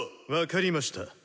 分かりました。